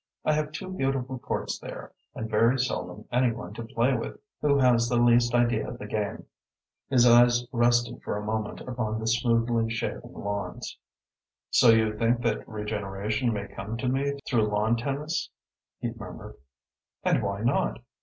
I have two beautiful courts there, and very seldom any one to play with who has the least idea of the game." His eyes rested for a moment upon the smoothly shaven lawns. "So you think that regeneration may come to me through lawn tennis?" he murmured. "And why not?